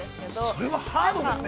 ◆それはハードですね。